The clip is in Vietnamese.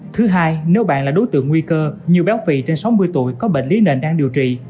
thứ hai nếu bạn là đối tượng nguy cơ như béo phì trên sáu mươi tuổi có bệnh lý nền đang điều trị